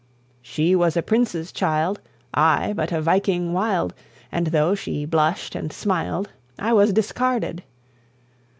"She was a Prince's child, I but a Viking wild, And though she blushed and smiled, I was discarded!